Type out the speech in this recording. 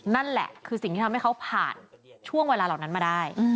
นั่นแหละคือสิ่งที่ทำให้เขาผ่านช่วงเวลาเหล่านั้นมาได้